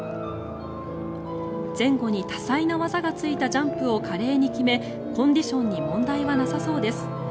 前後に多彩な技がついたジャンプを華麗に決めコンディションに問題はなさそうです。